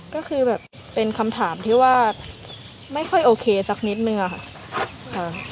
ก็คือแบบเป็นคำถามที่ว่าไม่ค่อยโอเคสักนิดนึงอะค่ะ